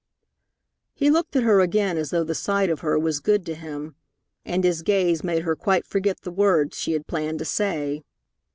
He looked at her again as though the sight of her was good to him, and his gaze made her quite forget the words she had planned to say.